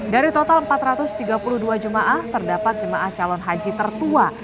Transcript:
dari total empat ratus tiga puluh dua jemaah terdapat jemaah calon haji tertua